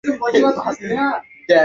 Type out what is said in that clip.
এই রাগের সঙ্গে যুক্ত হয়েছে প্রচণ্ড হতাশা।